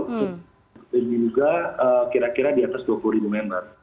ini juga kira kira di atas dua puluh ribu meter